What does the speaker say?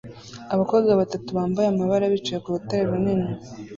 Abakobwa batatu bambaye amabara bicaye ku rutare runini